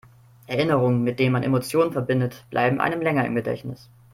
Erinnerungen, mit denen man Emotionen verbindet, bleiben einem länger im Gedächtnis.